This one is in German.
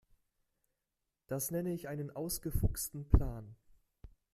Das nenne ich einen ausgefuchsten Plan.